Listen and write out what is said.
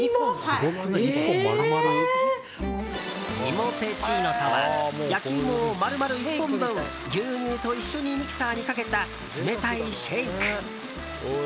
芋ぺちーのとは焼き芋を丸々１本分牛乳と一緒にミキサーにかけた冷たいシェイク。